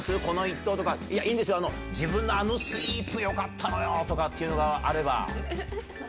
この１投とか、いや、いいんですよ、自分のあのスイープよかったのよとかっていうのがあれば。